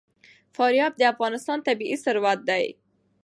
فاریاب د افغانستان طبعي ثروت دی.